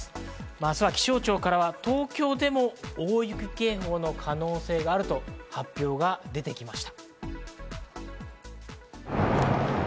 明日は気象庁からは東京でも大雪警報の可能性があると発表が出てきました。